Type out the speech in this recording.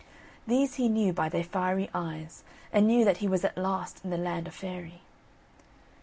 These he knew by their fiery eyes, and knew that he was at last in the land of Fairy.